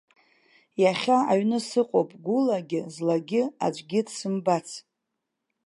Иахьа аҩны сыҟоуп, гәылагьы-злагьы аӡәгьы дсымбац.